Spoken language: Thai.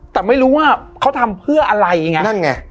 แต่ไม่รู้ว่าเขาทำเพื่ออะไรไงนั่นไง